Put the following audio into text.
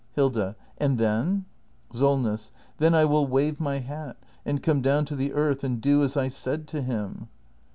Hilda. And then ? Solness. Then I will wave my hat — and come down to the earth — and do as I said to him.